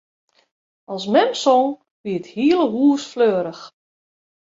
As mem song, wie it hiele hús fleurich.